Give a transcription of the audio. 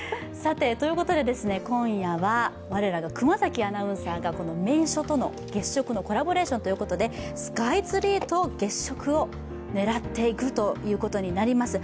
今夜は我らが熊崎アナウンサーが名所と月食のコラボレーションということで、スカイツリーと月食を狙っていくということになります。